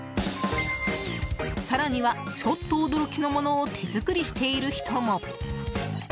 更には、ちょっと驚きのものを手作りしている人も。